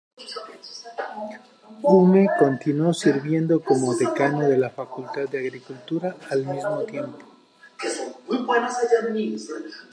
Hume continuó sirviendo como decano de la Facultad de Agricultura, al mismo tiempo.